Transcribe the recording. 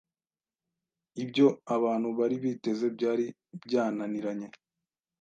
Ibyo abantu bari biteze byari byananiranye,